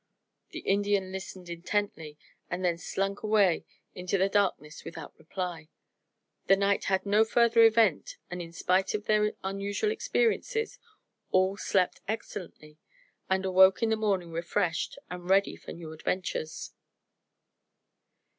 The Indian listened intently and then slunk away into the darkness without reply. The night had no further event and in spite of their unusual experiences all slept excellently and awoke in the morning refreshed and ready for new adventures.